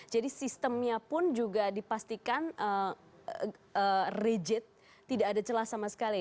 jadi sistemnya pun juga dipastikan rigid tidak ada celah sama sekali